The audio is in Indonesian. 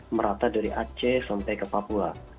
merata dari aceh sampai ke papua